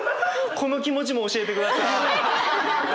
この気持ちも教えてください。